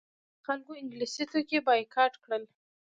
خلکو انګلیسي توکي بایکاټ کړل.